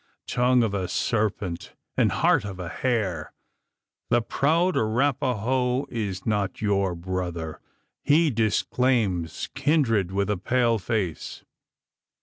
Tongue of a serpent, and heart of a hare! The proud Arapaho is not your brother: he disclaims kindred with a pale face.